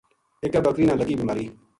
اِکابکری نا لگی بیماری